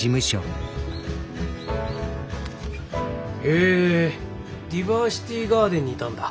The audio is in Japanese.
へえディバーシティガーデンにいたんだ？